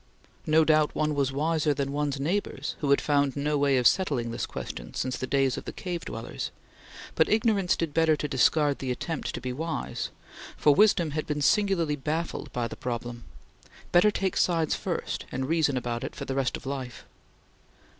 No doubt, one was wiser than one's neighbors who had found no way of settling this question since the days of the cave dwellers, but ignorance did better to discard the attempt to be wise, for wisdom had been singularly baffled by the problem. Better take sides first, and reason about it for the rest of life.